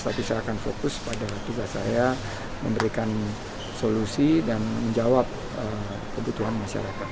tapi saya akan fokus pada tugas saya memberikan solusi dan menjawab kebutuhan masyarakat